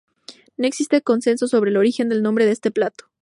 No existe consenso sobre el origen del nombre de este plato.